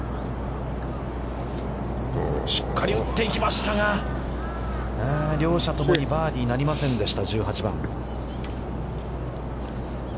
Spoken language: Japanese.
しっかり打っていきましたが、両者ともにバーディーなりませんでした。